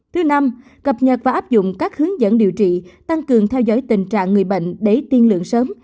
thứ năm cập nhật và áp dụng các hướng dẫn điều trị tăng cường theo dõi tình trạng người bệnh để tiên lượng sớm